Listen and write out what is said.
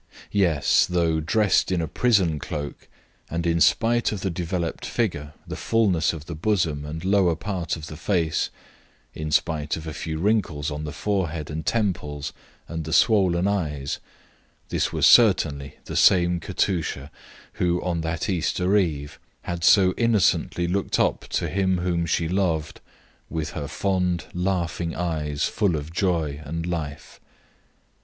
Yes, though dressed in a prison cloak, and in spite of the developed figure, the fulness of the bosom and lower part of the face, in spite of a few wrinkles on the forehead and temples and the swollen eyes, this was certainly the same Katusha who, on that Easter eve, had so innocently looked up to him whom she loved, with her fond, laughing eyes full of joy and life.